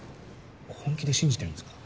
本気で信じてるんですか？